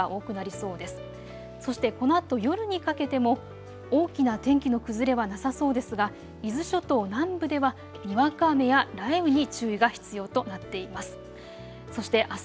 そして、このあと夜にかけても大きな天気の崩れはなさそうですが伊豆諸島南部ではにわか雨や雷雨に注意が必要となっています。